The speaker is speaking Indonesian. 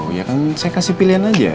oh ya kan saya kasih pilihan aja